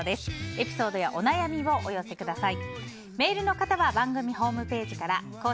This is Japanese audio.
エピソードやお悩みをお寄せください。